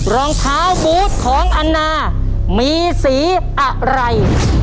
รองเท้าบูธของอันนามีสีอะไร